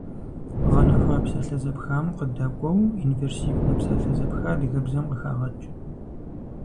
Гъэнэхуа псалъэ зэпхам къыдэкӏуэу инверсивнэ псалъэ зэпха адыгэбзэм къыхагъэкӏ.